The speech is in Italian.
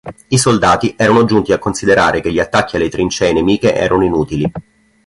I soldati erano giunti a considerare che gli attacchi alle trincee nemiche erano inutili.